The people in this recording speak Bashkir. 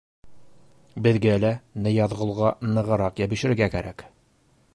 Беҙгә лә Ныязғолға нығыраҡ йәбешергә кәрәк.